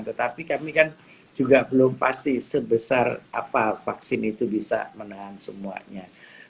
tetapi kami kan juga belum pasti sebesar apa vaksin itu bisa menahan semuanya